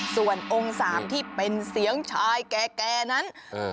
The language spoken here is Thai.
ส่วนองค์สามที่เป็นเสียงชายแก่นั้น